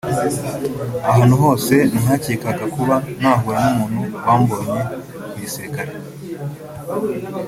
Ahantu hose nahakekaga kuba nahura n’umuntu wambonye mu gisirikare